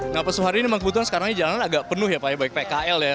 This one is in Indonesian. nah pesu hari ini kebetulan sekarang jalanan agak penuh ya pak baik pkl ya